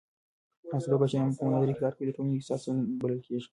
هغه سوداګر چې په امانتدارۍ کار کوي د ټولنې د اقتصاد ستون بلل کېږي.